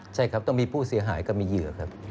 ใช่ครับต้องมีผู้เสียหายกับมีเหยื่อครับ